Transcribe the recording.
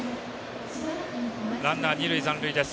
ランナー、二塁残塁です。